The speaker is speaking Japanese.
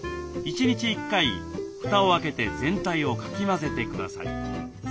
１日１回蓋を開けて全体をかき混ぜてください。